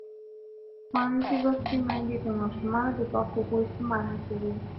ښوونځې لوستې میندې د ماشومانو د پاکو اوبو استعمال هڅوي.